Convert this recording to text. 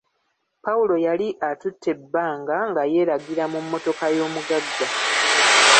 Pawulo yali atutte ebbanga nga yeeragira mu mmotoka y'omugagga.